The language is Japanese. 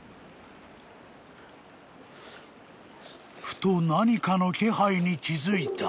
［ふと何かの気配に気付いた］